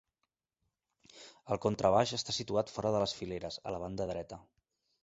El contrabaix està situat fora de les fileres, a la banda dreta.